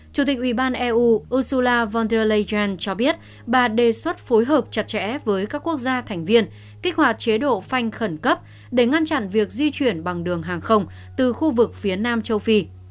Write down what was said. chủ tịch ủy ban eu ursula von der leyen cho biết bà đề xuất phối hợp chặt chẽ với các quốc gia thành viên kích hoạt chế độ phanh khẩn cấp để ngăn chặn việc di chuyển bằng đường hàng không từ khu vực phía nam châu phi